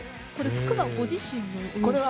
服はご自身の洋服なんですか？